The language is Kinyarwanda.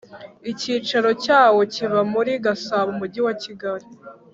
Icyicaro cyawo kiba muri Gasabo umujyi wa Kigali